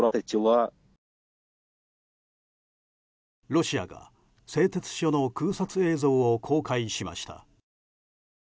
ロシアが製鉄所の空撮映像を公開しました。